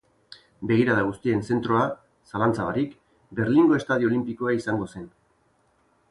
Begirada guztien zentroa, zalantza barik, Berlingo Estadio Olinpikoa izango zen.